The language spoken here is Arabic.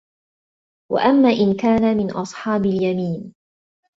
وَأَمّا إِن كانَ مِن أَصحابِ اليَمينِ